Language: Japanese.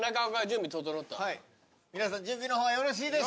皆さん準備の方はよろしいでしょうか？